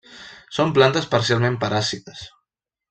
Són plantes parcialment paràsites.